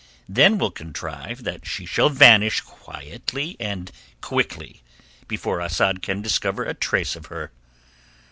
Then we'll contrive that she shall vanish quietly and quickly before Asad can discover a trace of her."